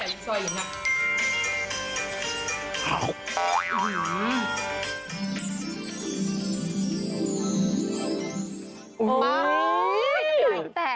สาวเป็นสายลูกสวยอย่างนั้น